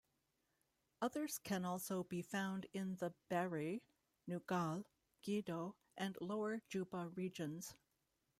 Others can also be found in the Bari, Nugal, Gedo, and Lower Juba regions.